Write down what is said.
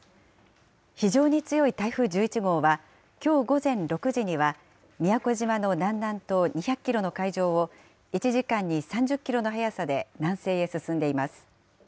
非常に強い台風１１号は、きょう午前６時には、宮古島の南南東２００キロの海上を、１時間に３０キロの速さで南西へ進んでいます。